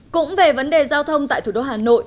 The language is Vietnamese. cũng về vấn đề giao thông tại thủ đô hà nội